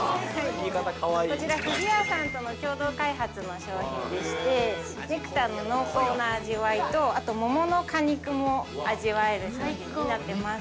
◆こちら不二家さんとの共同開発の商品でして、ネクターの濃厚な味わいと、あと桃の果肉も味わえる商品になっています。